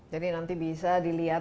jadi nanti bisa dilihat